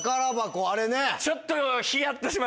ちょっと。